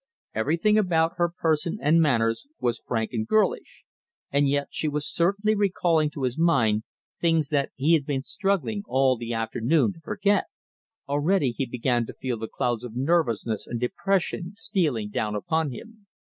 Everything about her person and manners was frank and girlish, and yet she was certainly recalling to his mind things that he had been struggling all the afternoon to forget. Already he began to feel the clouds of nervousness and depression stealing down upon him.